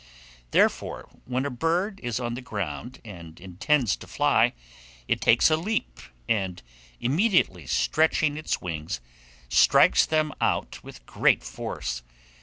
Therefore, when a bird is on the ground and intends to fly, it takes a leap, and immediately stretching its wings, strikes them out with great force.